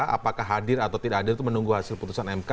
apakah hadir atau tidak hadir itu menunggu hasil putusan mk